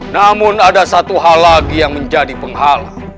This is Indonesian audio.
namun ada satu hal lagi yang menjadi penghala